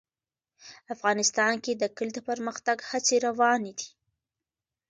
افغانستان کې د کلي د پرمختګ هڅې روانې دي.